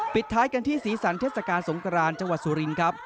ปิดท้ายกันที่ศีรษรรศการสงกรานจังหวัดสุรินทร์ครับ